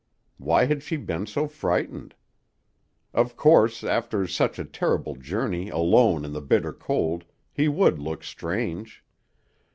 Why had she been so frightened? Of course, after such a terrible journey alone in the bitter cold, he would look strange.